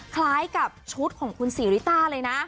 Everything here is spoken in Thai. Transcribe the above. คล้ายกับชุดของคุณศรีริต้าเลยนะ